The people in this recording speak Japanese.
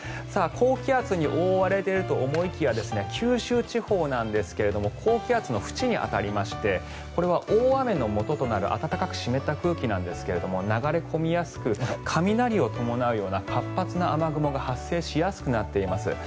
高気圧に覆われていると思いきや九州地方なんですが高気圧の縁に当たりましてこれは大雨のもととなる暖かく湿った空気なんですが流れ込みやすく雷を伴うような活発な雨雲が発生しやすくなっています。